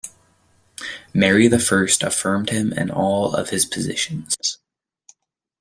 Mary the First affirmed him in all of his positions.